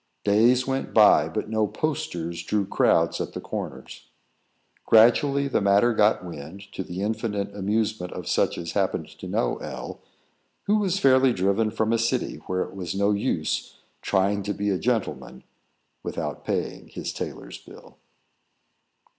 Days went by, but no "posters" drew crowds at the corners. Gradually, the matter got wind, to the infinite amusement of such as happened to know L , who was fairly driven from a city where it was no use trying to be a gentleman without paying his tailor's bill.